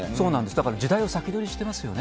だから時代を先取りしてますよね。